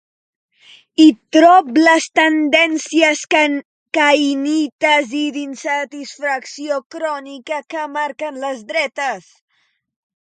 Hi trob les tendències caïnites i d'insatisfacció crònica que marquen les dretes.